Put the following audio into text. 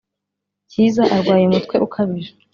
cyiza arwaye umutwe ukabije